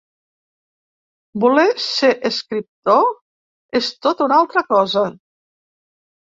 Voler “ser escriptor” és tota una altra cosa.